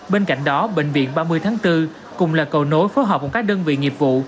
bên cạnh đó bệnh viện ba mươi tháng bốn cũng là cầu nối phối hợp cùng các đơn vị nghiệp vụ